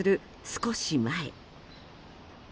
少し前。